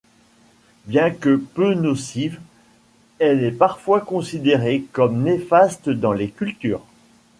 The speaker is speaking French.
Bien que peu nocive, elle est parfois considérée comme néfaste dans les cultures.